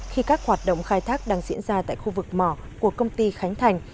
khi các hoạt động khai thác đang diễn ra tại khu vực mỏ của công ty khánh thành